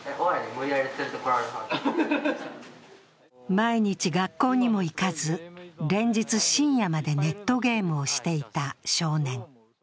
毎日、学校にも行かず連日、深夜までネットゲームをしていた少年。